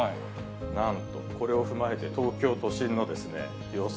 なんとこれを踏まえて、東京都心の予想